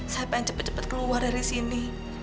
saya pengen cepet cepet keluar dari sini